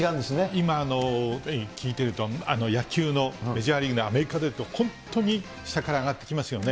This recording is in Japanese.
今、聞いてると野球のメジャーリーグのアメリカで本当に下から上がってきますよね。